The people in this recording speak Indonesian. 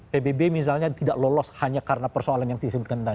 pbb misalnya tidak lolos hanya karena persoalan yang disebutkan tadi